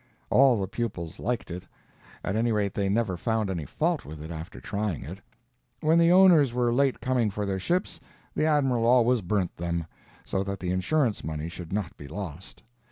All the pupils liked it. At any rate, they never found any fault with it after trying it. When the owners were late coming for their ships, the Admiral always burned them, so that the insurance money should not be lost.